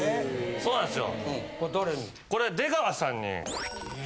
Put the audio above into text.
そうなんですよ。